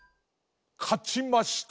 かちました